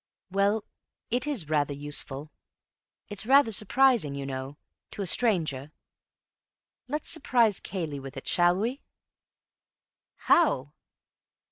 "Well, it is rather useful. It's rather surprising, you know, to a stranger. Let's surprise Cayley with it, shall we?" "How?"